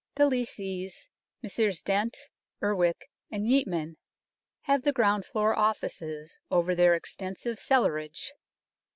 The lessees, Messrs Dent, Urwick and Yeatman have the ground floor offices over their extensive cellarage.